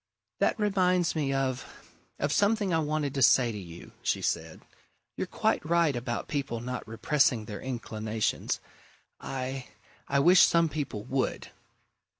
"That reminds me of of something I wanted to say to you," she said. "You're quite right about people not repressing their inclinations. I I wish some people would!"